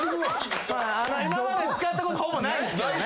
今まで使ったことほぼないんすけどね。